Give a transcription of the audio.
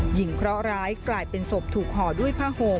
เคราะหร้ายกลายเป็นศพถูกห่อด้วยผ้าห่ม